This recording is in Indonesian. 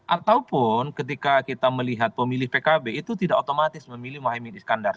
ataupun ketika kita melihat pemilih pkb itu tidak otomatis memilih mohaimin iskandar